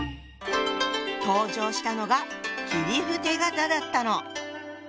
登場したのが切符手形だったの。